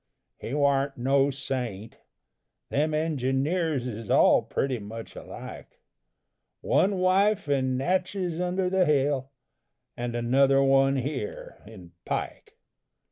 He warn't no saint them engineers Is all pretty much alike One wife in Natchez under the Hill, And another one here, in Pike.